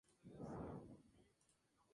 Pero ella no quiere marcharse.